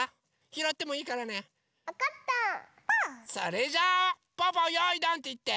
それじゃぽぅぽ「よいどん」っていって。